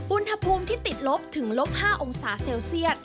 อุณหภูมิที่ติดลบถึงลบ๕องศาเซลเซียต